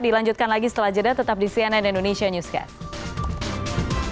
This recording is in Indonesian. dilanjutkan lagi setelah jeda tetap di cnn indonesia newscast